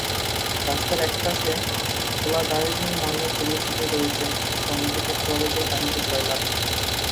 রাস্তার একপাশে খোলা ডাস্টবিনের ময়লা ছড়িয়ে-ছিটিয়ে রয়েছে, অন্যদিকে সুয়ারেজের পানিতে সয়লাব।